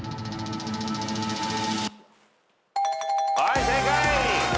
はい正解。